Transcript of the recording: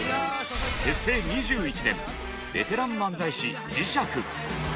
結成２１年ベテラン漫才師磁石。